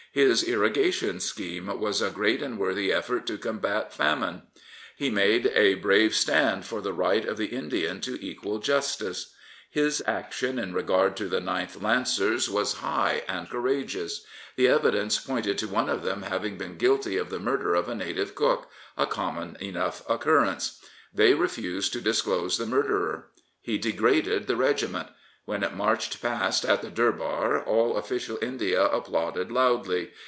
His Irrigation scheme was a great and worthy effort to combat famine. He made a brave stand for the right of the Indian to equal justice. His action in regard to the gth Lancers was high and courageous. The evidence pointed to one of them having been guilty of the murder of a native cook — a common enough occurrence. They refused to disclose the murderer. He degraded the regiment. When it marched past at the Durbar all official India applauded loudly.